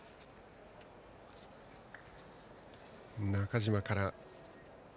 中嶋から。